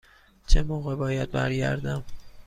چه موقع باید برگردم؟